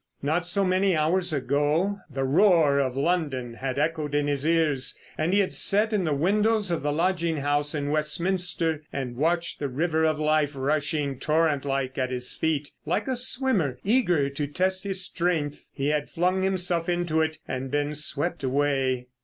Not so many hours ago the roar of London had echoed in his ears, and he had sat in the windows of the lodging house in Westminster and watched the river of life rushing torrent like at his feet. Like a swimmer eager to test his strength, he had flung himself into it and been swept away.